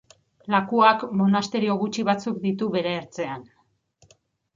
Lakuak, monasterio gutxi batzuk ditu bere ertzean.